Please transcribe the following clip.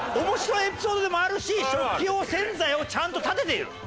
面白エピソードでもあるし食器用洗剤をちゃんと立てている。